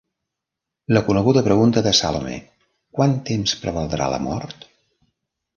La coneguda pregunta de Salome: Quant temps prevaldrà la mort?